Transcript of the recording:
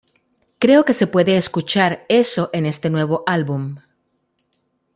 Creo que se puede escuchar eso en este nuevo álbum.